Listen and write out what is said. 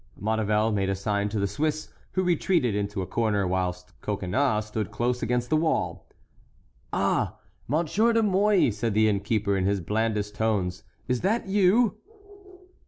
Maurevel made a sign to the Swiss, who retreated into a corner, whilst Coconnas stood close against the wall. "Ah! Monsieur de Mouy!" said the innkeeper, in his blandest tones, "is that you?"